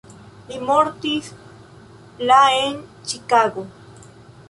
Li mortis la en Ĉikago.